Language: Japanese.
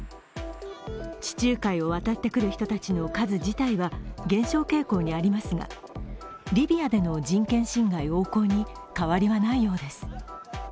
地中海を渡ってくる人たちの数自体は減少傾向にありますが、リビアでの人権侵害横行に変わりはないようです。